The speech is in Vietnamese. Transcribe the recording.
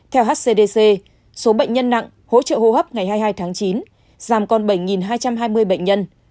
theo hcdc số bệnh nhân nặng hỗ trợ hô hấp ngày hai mươi hai tháng chín giảm còn bảy hai trăm hai mươi bệnh nhân